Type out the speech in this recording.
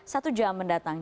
satu jam mendatang